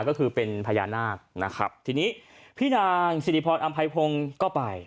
ก็คือเป็นพญานาคนะครับทีนี้พี่นางสิริพรอำไพพงศ์ก็ไป